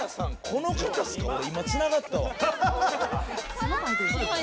この方っすかおれ今つながったわ。